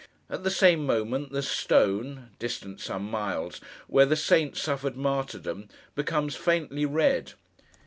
At the same moment, the stone (distant some miles) where the Saint suffered martyrdom, becomes faintly red.